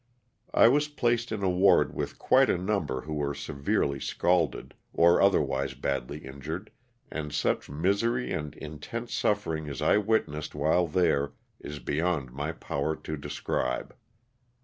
I was placed in a ward with quite a number who were severely scalded, or otherwise badly injured, and such misery and intense suffering as I witnessed while there is beyond my power to describe.